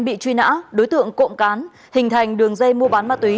bị truy nã đối tượng cộng cán hình thành đường dây mua bán ma túy